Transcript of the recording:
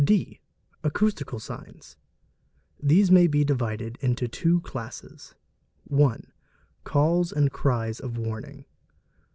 D. Acoustical Signs. These may be divided into two classes— 1. Calls and cries of warning.